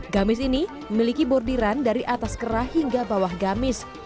gamis ini memiliki bordiran dari atas kerah hingga bawah gamis